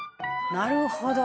「なるほど。